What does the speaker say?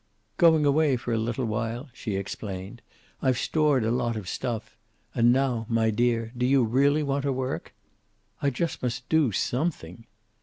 "Going away for a little while," she explained. "I've stored a lot of stuff. And now, my dear, do you really want to work?" "I just must do something."